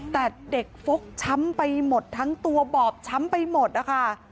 แต่เด็กฟกช้ำไปหมดทั้งตัวบอบช้ำไปหมดนะคะ